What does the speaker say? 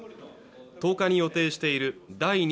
１０日に予定している第２